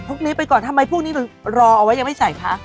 นี้ไปก่อนทำไมพวกนี้มันรอเอาไว้ยังไม่ใส่คะ